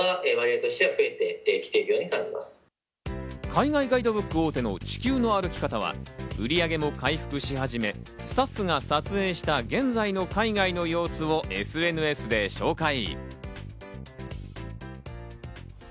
海外ガイドブック大手の『地球の歩き方』は売り上げも回復し始め、スタッフが撮影した現在の海外の様子をＳＮＳで紹介。